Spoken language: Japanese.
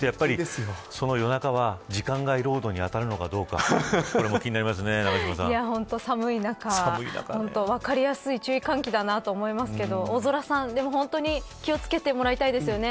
その夜中は時間外労働にあたるのかどうか寒い中、分かりやすい注意喚起だなと思いますけど大空さん、でも本当に気を付けてもらいたいですよね。